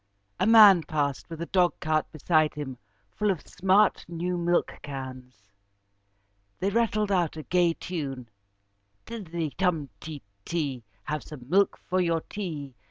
A man passed, with a dogcart beside him full of smart, new milkcans. They rattled out a gay tune: "Tiddity tum ti ti. Have some milk for your tea.